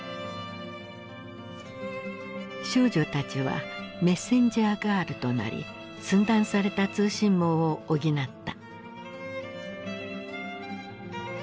少女たちはメッセンジャーガールとなり寸断された通信網を補った。